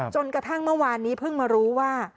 จนกระทั่งเมื่อวานนี้เพิ่งมารู้ว่า